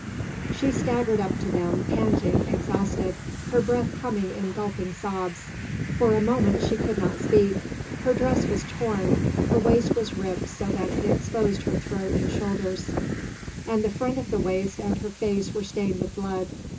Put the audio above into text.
She staggered up to them, panting, exhausted, her breath coming in gulping sobs. For a moment she could not speak. Her dress was torn; her waist was ripped so that it exposed her throat and shoulder; and the front of the waist and her face were stained with blood.